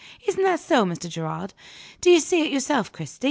Isn't that so, Mr. Gerard? Don't you see it yourself, Cristy?